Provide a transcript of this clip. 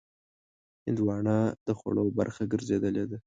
هندوانه د خوړو برخه ګرځېدلې ده.